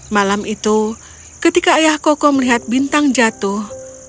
malam itu ketika ayah koko melihat bintang jatuh